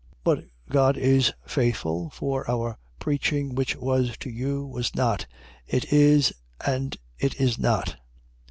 1:18. But God is faithful: for our preaching which was to you, was not, It is, and It is not.